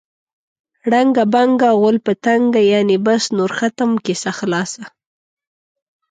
ړنګه بنګه غول په تنګه. یعنې بس نور ختم، کیسه خلاصه.